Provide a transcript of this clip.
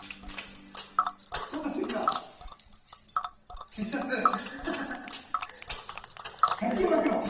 こんな時は必殺１００均マクロ。